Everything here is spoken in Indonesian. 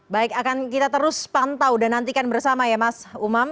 baik akan kita terus pantau dan nantikan bersama ya mas umam